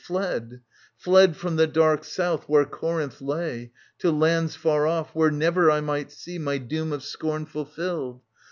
Fled, fled from the dark south where Corinth lay, To lands far off, where never 1 might see My doom of scorn fulfilled.